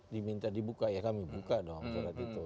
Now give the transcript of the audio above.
diminta dibuka ya kami buka dong surat itu